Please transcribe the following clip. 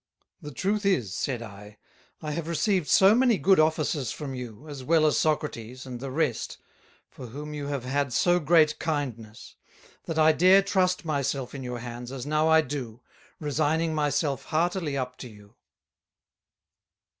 "The truth is," said I, "I have received so many good Offices from you, as well as Socrates, and the rest, for whom you have [had] so great kindness, that I dare trust my self in your hands, as now I do, resigning my self heartily up to you."